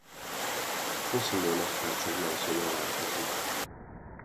Cosimo nagyherceg mellszobra látható.